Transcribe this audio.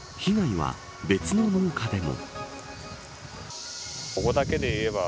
被害は別の農家でも。